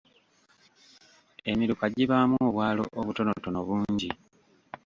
Emiruka gibaamu obwalo obutonotono bungi.